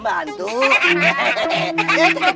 haha senggata makan pembantu